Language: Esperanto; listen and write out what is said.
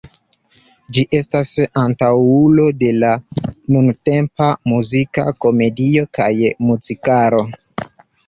Ĝi estas antaŭulo de la nuntempa muzika komedio kaj muzikalo.